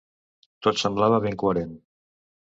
Tot semblava ben coherent.